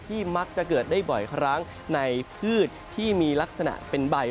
มักจะเกิดได้บ่อยครั้งในพืชที่มีลักษณะเป็นใบ